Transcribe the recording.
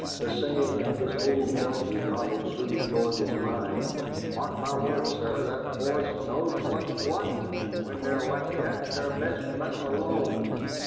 The saying of his old jockey darted through George's mind: "Mark my words, sir, that 'orse knows what's what, and when they're like that they're best let alone."